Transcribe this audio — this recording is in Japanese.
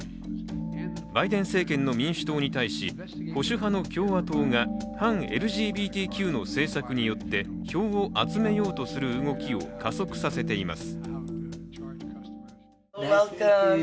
バイデン政権の民主党に対し、保守派の共和党が反ＬＧＢＴＱの政策によって票を集めようとする動きを加速させています。